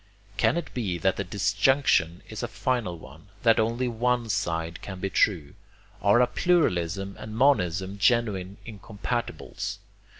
Can it be that the disjunction is a final one? that only one side can be true? Are a pluralism and monism genuine incompatibles?